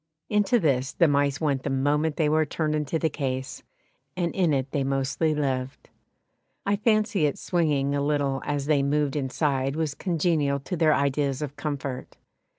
Into this the mice went the moment they were turned into the case, and in it they mostly lived. I fancy its swinging a little as they moved inside was congenial to their ideas of comfort.